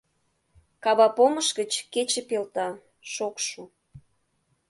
Кава помыш гыч кече пелта, шокшо.